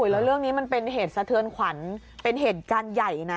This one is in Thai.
แล้วเรื่องนี้มันเป็นเหตุสะเทือนขวัญเป็นเหตุการณ์ใหญ่นะ